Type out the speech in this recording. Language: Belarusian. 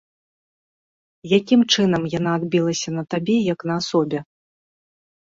Якім чынам яна адбілася на табе як на асобе?